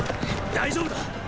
大丈夫だ！